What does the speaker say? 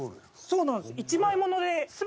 そうなんです。